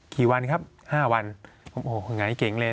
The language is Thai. กี่วันครับ๕วันผมหงายเก่งเลย